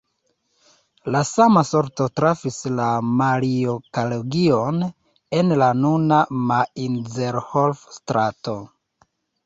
La sama sorto trafis la Mario-Kolegion en la nuna Mainzerhof-strato.